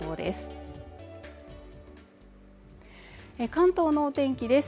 関東のお天気です。